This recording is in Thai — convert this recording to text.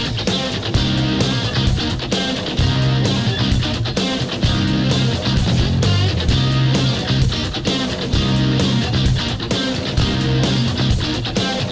โอ้โห